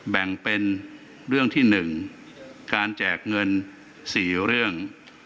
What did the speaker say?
แบ่งเป็นเรื่องที่๑การแจกเงิน๔เรื่อง